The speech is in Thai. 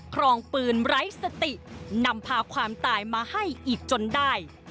ครองปืนไร้สตินำพาความตายมาให้อีกจนได้